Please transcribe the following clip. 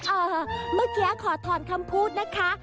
เมื่อกี้ขอถอนคำพูดนะคะ